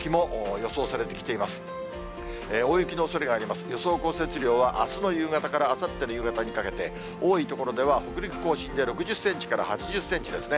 予想降雪量は、あすの夕方からあさっての夕方にかけて多い所では北陸、甲信で６０センチから８０センチですね。